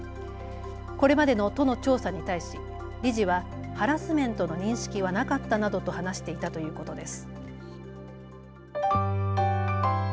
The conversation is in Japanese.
これまでの都の調査に対し理事はハラスメントの認識はなかったなどと話していたということです。